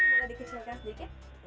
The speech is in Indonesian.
mula dikecilkan sedikit